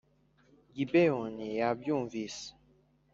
Gibeyoni yabyumvise.